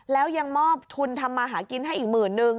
แล้วยังมอบทุนทำมาหากินให้อีกหมื่นนึง